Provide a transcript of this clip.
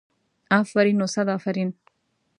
افرین و صد افرین.